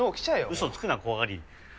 嘘つくな怖がり！